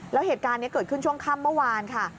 แล้วเหตุการณ์นี้เกิดขึ้นช่วงค่ำเมื่อวานค่ะ